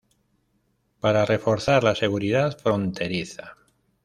Para reforzar la seguridad fronteriza.